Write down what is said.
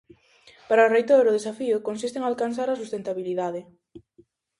Para o reitor, o desafío consiste en alcanzar a sustentabilidade.